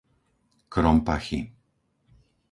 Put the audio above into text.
Krompachy